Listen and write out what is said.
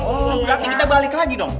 oh berarti kita balik lagi dong